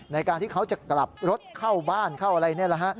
ในการที่เขาจะกลับรถเข้าบ้านเข้าอะไรนี่แหละฮะ